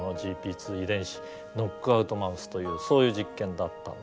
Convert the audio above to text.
２遺伝子ノックアウトマウスというそういう実験だったわけですね。